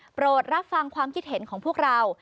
โปรดรับฟังความคิดเห็นของพวกเรา